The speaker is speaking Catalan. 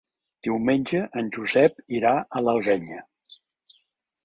Diumenge en Josep irà a l'Alguenya.